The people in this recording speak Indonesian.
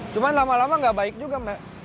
cuma lama lama nggak baik juga